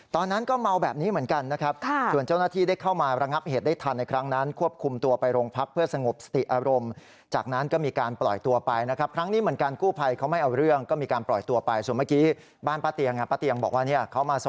ตอนนั้นก็เมาแบบนี้เหมือนกันนะครับ